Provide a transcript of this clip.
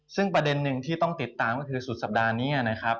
ซึ่งประเด็นหนึ่งที่ต้องติดตามก็คือสุดสัปดาห์นี้นะครับ